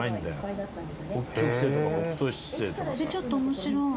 ちょっと面白い！